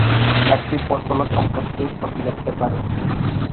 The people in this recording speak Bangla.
এটি ফসল ও সম্পত্তির ক্ষতি করতে পারে।